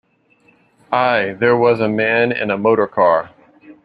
Ay, there was a man in a motor-car.